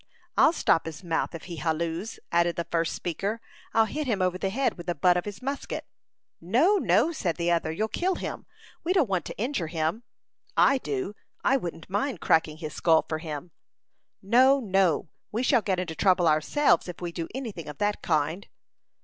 "I'll stop his mouth, if he hallooes," added the first speaker. "I'll hit him over the head with the butt of his musket." "No, no," said the other; "you'll kill him. We don't want to injure him." "I do; I wouldn't mind cracking his skull for him." "No, no; we shall get into trouble ourselves if we do any thing of that kind."